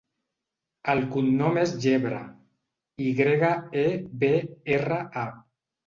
El cognom és Yebra: i grega, e, be, erra, a.